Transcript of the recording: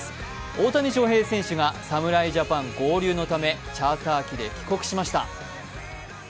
大谷翔平選手が侍ジャパン合流のためチャーター機で帰国しました。